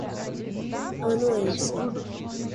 anuência